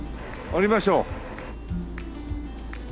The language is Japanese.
降りましょう。